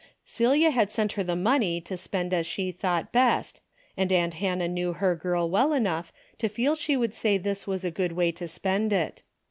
Celia had sent her the money to spend as she thought best, and aunt Hannah knew her girl well enough to feel she would say this was a good way to spend it.